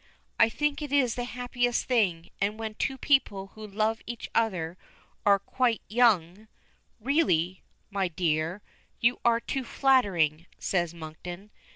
"I think it is the happiest thing. And when two people who love each other are quite young " "Really, my dear, you are too flattering," says Monkton.